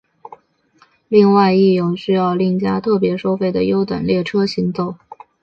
另外亦有需要另加特别收费的优等列车行走。